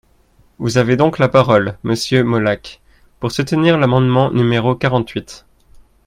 Vous avez donc la parole, monsieur Molac, pour soutenir l’amendement numéro quarante-huit.